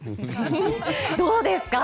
どうですか？